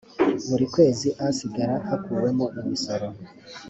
buri kwezi asigara hakuwemo imisoro